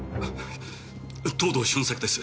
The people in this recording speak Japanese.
藤堂俊作です。